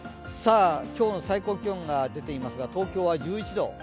今日の最高気温が出ていますが、東京は１１度。